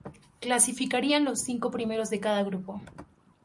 Clasificarían los cinco primeros de cada grupo.